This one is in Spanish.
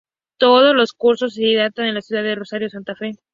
Todos los cursos se dictan en la ciudad de Rosario, Santa Fe.